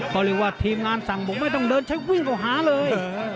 เขาเรียกว่าทีมงานสั่งบอกไม่ต้องเดินใช้วิ่งกว่าหาเลย